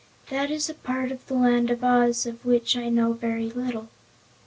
That is a part of the Land of Oz of which I know very little."